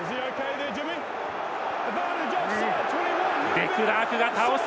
デクラークが倒す！